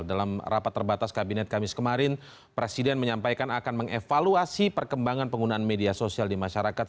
dalam rapat terbatas kabinet kamis kemarin presiden menyampaikan akan mengevaluasi perkembangan penggunaan media sosial di masyarakat